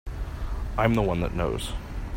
I'm the one that knows.